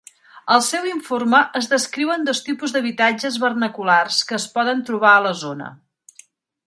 Al seu informe es descriuen dos tipus d'habitatges vernaculars que es poden trobar a la zona.